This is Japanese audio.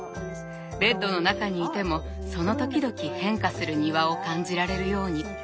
ベッドの中にいてもその時々変化する庭を感じられるように。